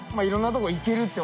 いろんなとこ行ける。